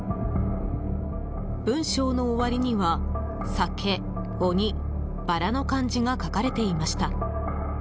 文章の終わりには「酒・鬼・薔薇」の漢字が書かれていました。